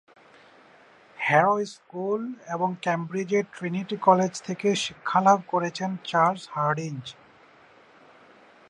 Harrow school এবং ক্যামব্রিজের Trinity college থেকে শিক্ষালাভ করেছেন চার্লস হার্ডিঞ্জ।